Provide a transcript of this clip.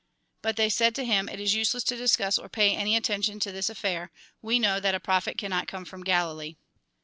But they said to him :" It is useless 94 THE GOSPEL IN BRIEF to discuss, or pay any attention to this affair. We know that a prophet cannot come from Galilee."